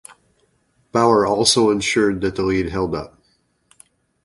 Bauer also ensured that the lead held up.